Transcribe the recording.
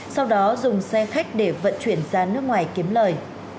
sau đó dùng xe khách để vận chuyển ra nước ngoài kiếm lời